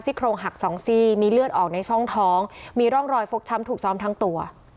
โครงหักสองซี่มีเลือดออกในช่องท้องมีร่องรอยฟกช้ำถูกซ้อมทั้งตัว